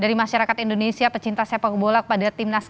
dari masyarakat indonesia pecinta sepak bola kepada timnas